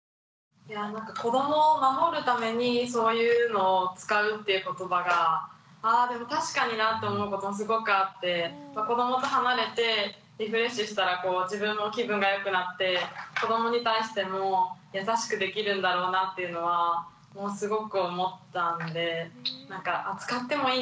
子どもを守るためにそういうのを使うっていう言葉があでも確かになって思うことすごくあって子どもと離れてリフレッシュしたら自分も気分が良くなって子どもに対しても優しくできるんだろうなっていうのはもうすごく思ったんでなんかあ使ってもいいんだっていうのをすごく思いました。